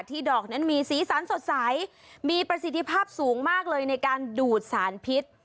ดอกนั้นมีสีสันสดใสมีประสิทธิภาพสูงมากเลยในการดูดสารพิษ